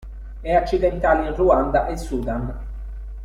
È accidentale in Ruanda e Sudan.